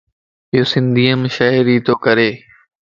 ايو سنڌيءَ مَ شاعري تو ڪري.